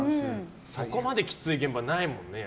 ここまできつい現場ないもんね。